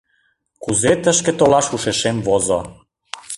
Кузе тышке толаш ушешем возо...